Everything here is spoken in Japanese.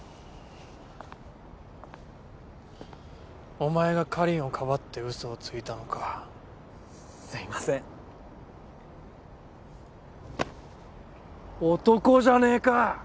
お前がカリンをかばってウソをついたのかすいません男じゃねぇか！